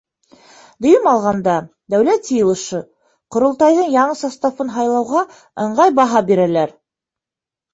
Дөйөм алғанда, Дәүләт Йыйылышы — Ҡоролтайҙың яңы составын һайлауға ыңғай баһа бирәләр.